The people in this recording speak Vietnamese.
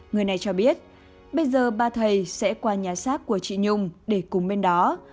người này cho biết bây giờ ba thầy sẽ qua nhà xác của chị nhung để cùng bên đó